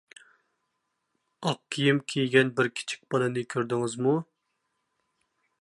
ئاق كىيىم كىيگەن بىر كىچىك بالىنى كۆردىڭىزمۇ؟